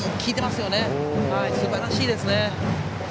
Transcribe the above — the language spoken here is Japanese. すばらしいですね。